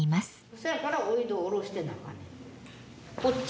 そやからおいどを下ろしてなあかん。